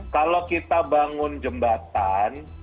kalau kita bangun jembatan